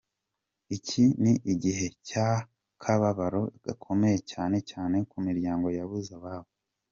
Iki ni igihe cy’akababaro gakomeye cyane cyane ku miryango yabuze ababo.